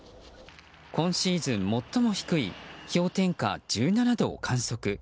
今シーズン最も低い氷点下１７度を観測。